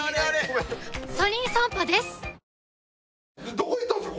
どこ行ったんですか？